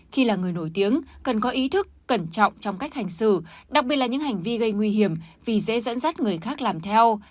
khi là người nổi tiếng cần có ý thức cẩn trọng trong cách hành xử đặc biệt là những hành vi gây nguy hiểm vì dễ dẫn dắt người khác làm theo